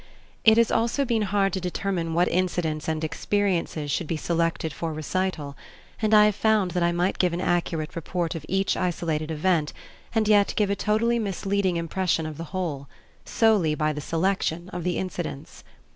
It has also been hard to determine what incidents and experiences should be selected for recital, and I have found that I might give an accurate report of each isolated event and yet give a totally misleading impression of the whole, solely by the selection of the incidents.